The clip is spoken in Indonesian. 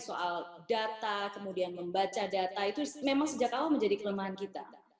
soal data kemudian membaca data itu memang sejak awal menjadi kelemahan kita